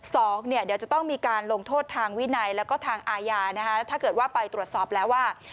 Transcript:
สองเนี่ยเดี๋ยวจะต้องมีการลงโทษทางวินัยแล้วก็ทางอาญานะคะแล้วถ้าเกิดว่าไปตรวจสอบแล้วว่า